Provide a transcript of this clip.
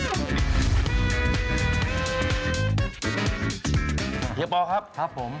พี่เฮียปครับครับผม